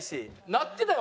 なってたよ